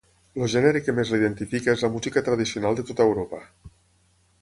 El gènere que més l'identifica és la música tradicional de tota Europa.